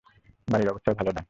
বাড়ির অবস্থাও ভালো নয়।